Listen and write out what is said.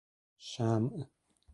شمع